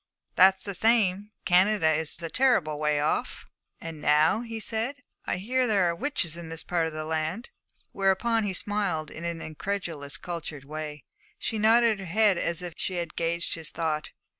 'That's the same. Canada is a terrible way off.' 'And now,' he said, 'I hear there are witches in this part of the land.' Whereupon he smiled in an incredulous cultured way. She nodded her head as if she had gauged his thought.